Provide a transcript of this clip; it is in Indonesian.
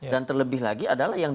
dan terlebih lagi adalah